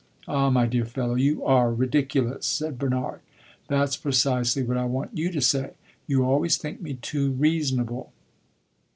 "Ah, my dear fellow, you are ridiculous!" said Bernard. "That 's precisely what I want you to say. You always think me too reasonable."